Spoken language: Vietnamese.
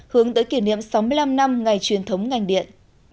hướng tới kỷ niệm sáu mươi năm năm ngày truyền thống ngành điện